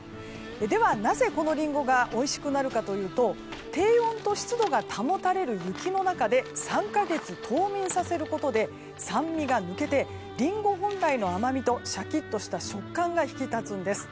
では、なぜこのリンゴがおいしくなるかというと低温と湿度が保たれる雪の中で３か月冬眠させることで酸味が抜けてリンゴ本来の甘みとしゃきっとした食感が引き立つんです。